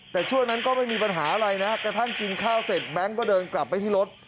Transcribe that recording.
แต่ช่วงนั้นก็ไม่มีปัญหาอะไรนะกระทั่งกินข้าวเสร็จแบงค์ก็เดินกลับไปที่รถ